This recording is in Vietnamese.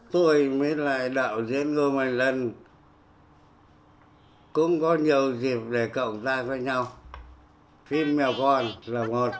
tôi với lại đạo diễn ngo mạnh lân cũng có nhiều dịp để cộng ra với nhau phim mèo con là một